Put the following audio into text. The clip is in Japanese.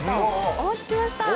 お持ちしました。